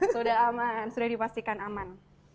sudah aman sudah dipastikan aman